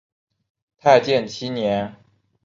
太建七年。